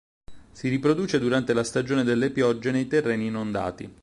Si riproduce durante la stagione delle piogge nei terreni inondati.